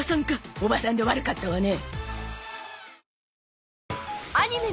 おばさんで悪かったわね